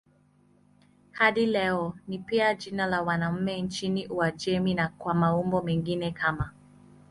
Hadi leo ni pia jina la wanaume nchini Uajemi na kwa maumbo mengine kama